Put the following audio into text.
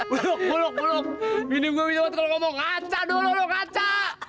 buluk buluk buluk minum gue minum waktu kalau ngomong ngaca dulu lu ngaca